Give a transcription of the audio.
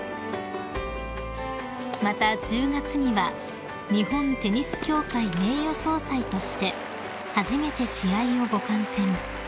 ［また１０月には日本テニス協会名誉総裁として初めて試合をご観戦］